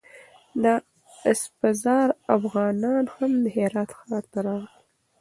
د اسفزار افغانان هم د هرات ښار ته راغلل.